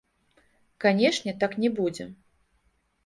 Канешне, так не будзе.